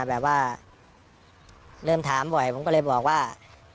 แบบว่าเริ่มถามบ่อยผมก็เลยบอกว่า